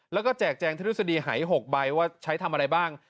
แล้วก็แจกแจงทฤษฎีหาย๖ใบว่าใช้ทำอะไรบ้าง